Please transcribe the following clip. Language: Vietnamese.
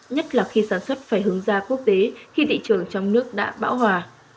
nhất là khi sản xuất phải hướng ra quốc tế khi thị trường trong nước đã bão hòa